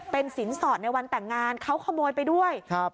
เป็นสินสอดในวันแต่งงานเขาขโมยไปด้วยครับ